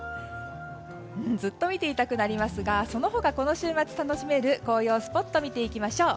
ずっと見ていたくなりますがその他、この週末楽しめる紅葉スポット見ていきましょう。